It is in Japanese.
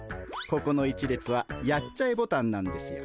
ここの１列はやっちゃえボタンなんですよ。